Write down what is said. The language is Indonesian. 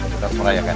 kita peraya kan